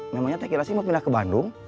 memangnya teh kirasi mau pindah ke bandung